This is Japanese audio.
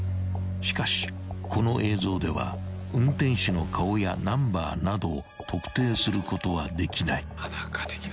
［しかしこの映像では運転手の顔やナンバーなど特定することはできない］